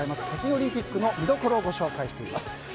北京オリンピックの見どころをご紹介しています。